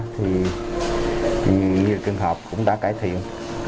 thì nhiều trường hợp cũng đã cải thiện